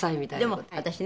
でも私ね